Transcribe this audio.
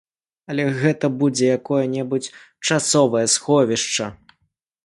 Але гэта будзе якое-небудзь часовае сховішча.